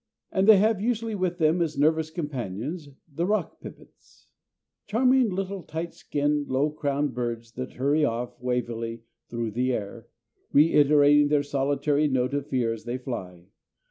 And they have usually with them as nervous companions the rock pipits, charming little tight skinned, low crowned birds that hurry off wavily through the air, reiterating their solitary note of fear as they fly.